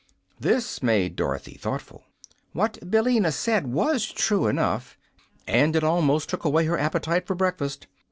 This made Dorothy thoughtful. What Billina said was true enough, and it almost took away her appetite for breakfast.